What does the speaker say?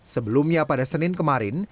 sebelumnya pada senin kemarin